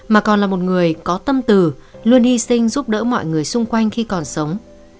mà còn là một người có tâm từ luôn hy sinh giúp đỡ mọi người xung quanh khi còn sống